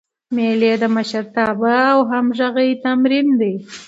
مېلې د مشرتابه او همږغۍ تمرین دئ.